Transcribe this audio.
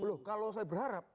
belum kalau saya berharap